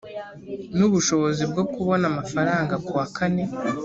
n ubushobozi bwo kubona amafaranga kuwakane